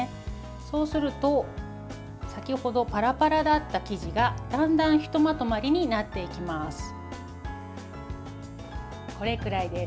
そうすると、先程パラパラだった生地がだんだんひとまとまりになっていきます。